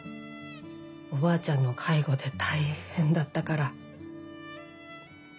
おばあちゃんの介護で大変だったから。